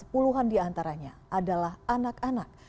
puluhan diantaranya adalah anak anak